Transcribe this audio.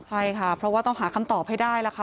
ใช่ค่ะเพราะว่าต้องหาคำตอบให้ได้ล่ะค่ะ